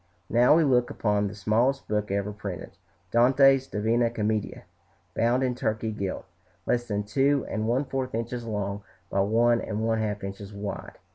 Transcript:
Now we look upon the smallest book ever printed, Dante's "Divina Commedia," bound in Turkey gilt, less than two and one fourth inches long by one and one half inches wide.